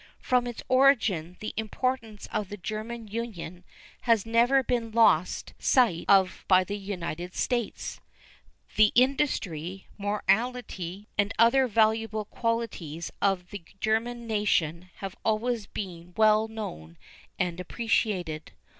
From its origin the importance of the German union has never been lost sight of by the United States. The industry, morality, and other valuable qualities of the German nation have always been well known and appreciated.